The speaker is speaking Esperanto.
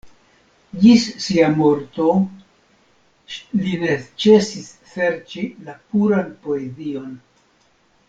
Ĝis sia morto li ne ĉesis serĉi la puran poezion.